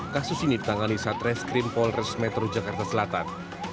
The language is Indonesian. kasus ini ditangani saat reskrim polres metro jakarta selatan